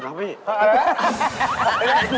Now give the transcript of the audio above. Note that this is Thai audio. ทำไม